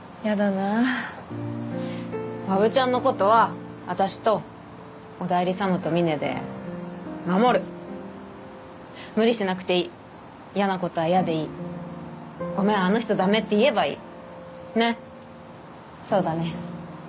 なわぶちゃんのことは私とおだいり様とみねで守る無理しなくていい嫌なことは嫌でいいごめんあの人ダメって言えばいいねっそうだね